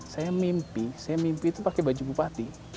saya mimpi saya mimpi itu pakai baju bupati